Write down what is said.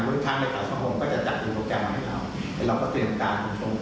บริษัทในขาวชาวโฮงก็จะจัดเป็นโปรแกรมมาให้เราแล้วเราก็เตรียมการเอ่อ